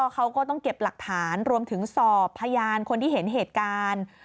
เขาก็ต้องเก็บหลักฐานรวมถึงสอบพยานคนที่เห็นเหตุการณ์